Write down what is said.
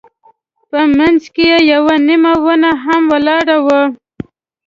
په منځ کې یوه نیمه ونه هم ولاړه وه.